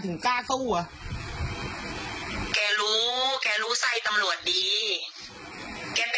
สุดท้ายเขาว่าจะเหลือแล้วดิครับ